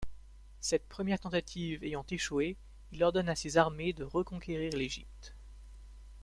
Cette première tentative ayant échoué, il ordonne à ses armées de reconquérir l'Égypte.